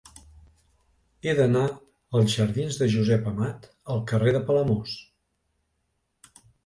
He d'anar dels jardins de Josep Amat al carrer de Palamós.